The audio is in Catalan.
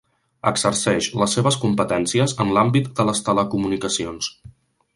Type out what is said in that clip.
Exerceix les seves competències en l'àmbit de les telecomunicacions.